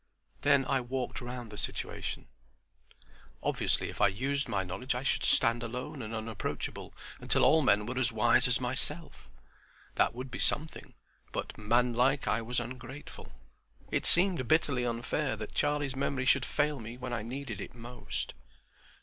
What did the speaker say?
Then I walked round the situation. Obviously if I used my knowledge I should stand alone and unapproachable until all men were as wise as myself. That would be something, but manlike I was ungrateful. It seemed bitterly unfair that Charlie's memory should fail me when I needed it most.